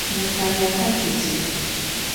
Di kariya ka chɛ ti.